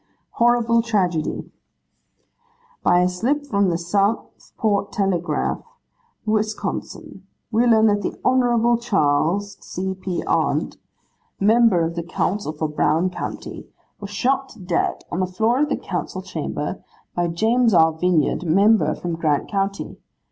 'Horrible Tragedy. 'By a slip from The Southport Telegraph, Wisconsin, we learn that the Hon. Charles C. P. Arndt, Member of the Council for Brown county, was shot dead on the floor of the Council chamber, by James R. Vinyard, Member from Grant county.